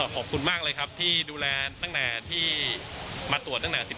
ขอบคุณมากเลยครับที่ดูแลที่มาตรวจตั้งแต่๑๕แล้ว